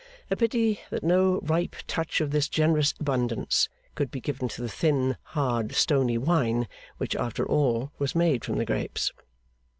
A pity that no ripe touch of this generous abundance could be given to the thin, hard, stony wine, which after all was made from the grapes!